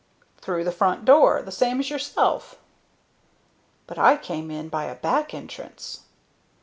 "Through the front door, the same as yourself." "But I came in by a back entrance."